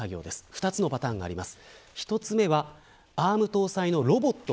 ２つのパターンがあります。